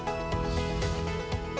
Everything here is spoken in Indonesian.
masalah pembangunan air limbah